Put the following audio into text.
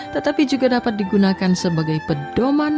tetapi juga dapat digunakan sebagai pedoman